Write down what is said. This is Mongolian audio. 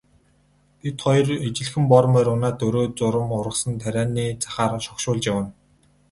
Бид хоёр ижилхэн бор морь унаад дөрөө зурам ургасан тарианы захаар шогшуулж явна.